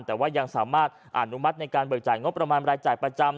แต่ว่ายังสามารถอนุมัติในการเบิกจ่ายงบประมาณรายจ่ายประจำ